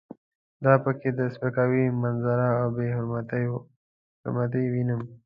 دا په کې د سپکاوي منظره او بې حرمتي وینم.